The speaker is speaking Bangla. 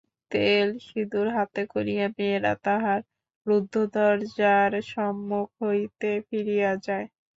তেল সিঁদুর হাতে করিয়া মেয়েরা তাহার রুদ্ধ দরজার সম্মুখ হইতে ফিরিয়া যায়।